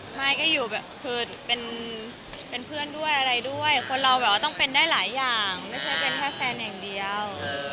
ไม่ก็อยู่แบบคือเป็นเพื่อนด้วยอะไรด้วยคนเราแบบว่าต้องเป็นได้หลายอย่างไม่ใช่เป็นแค่แฟนอย่างเดียว